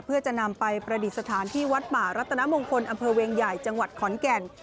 เพื่อจะนำไปประดิษฐานที่วัดป่ารัตนมงคลอำเภอเวียงใหญ่จังหวัดขอนแก่น